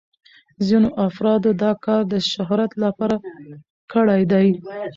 ځینو افرادو دا کار د شهرت لپاره کړی دی.